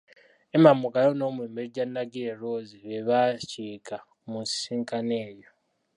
Emma Mugalu n'Omumbejja Ndagire Rose be baakiika mu nsisinkano eyo.